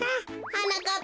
はなかっ